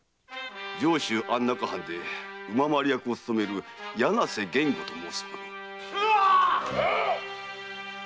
上州安中藩で馬廻り役を勤める柳瀬源吾と申す者。